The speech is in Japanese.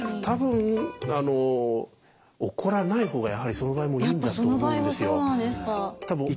多分怒らない方がやはりその場合もいいんだと思うんですよ。